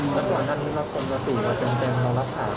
แล้วตอนนั้นมีบางคนจะติดต่างต้องรักษาตัวอย่างไรครับ